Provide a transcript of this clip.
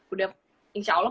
udah insya allah